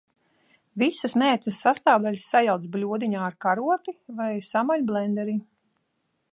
Visas mērces sastāvdaļas sajauc bļodiņā ar karoti vai samaļ blenderī.